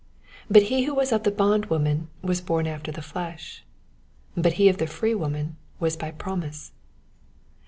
But he who was of the bondwoman was bom after the flesh ; but he of the freewoman was by promise.